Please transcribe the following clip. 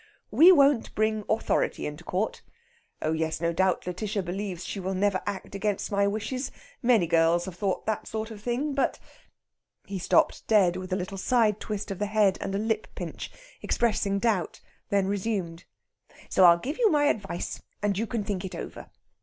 We won't bring authority into court.... Oh yes, no doubt Lætitia believes she will never act against my wishes. Many girls have thought that sort of thing. But " He stopped dead, with a little side twist of the head, and a lip pinch, expressing doubt, then resumed: "So I'll give you my advice, and you can think it over.